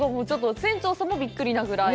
船長さんもびっくりなぐらい。